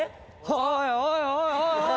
おいおいおいおい。